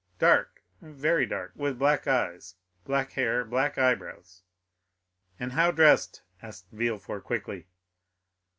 "Dark,—very dark; with black eyes, black hair, black eyebrows." "And how dressed?" asked Villefort quickly.